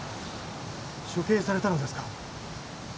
処刑されたのですか？